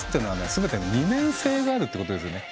全て二面性があるっていうことですよね。